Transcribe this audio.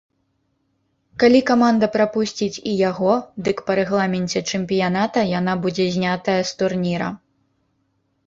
Калі каманда прапусціць і яго, дык па рэгламенце чэмпіяната яна будзе знятая з турніра.